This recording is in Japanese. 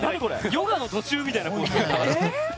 ヨガの途中みたいなポーズ。